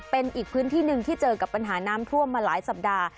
เป็นอีกพื้นที่หนึ่งที่เจอกับปัญหาน้ำท่วมมาหลายสัปดาห์